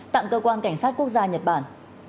tặng cơ quan cảnh sát quốc gia nhật bản